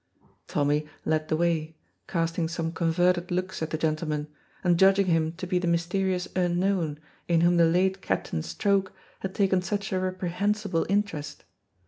Tommy led the way, casting some converted looks at the gentleman, and judging him to be the mysterious unknown in whom the late Captain Stroke had taken such a reprehensible interest.